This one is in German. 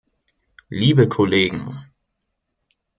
Liebe Kollegen!